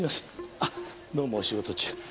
あっどうもお仕事中。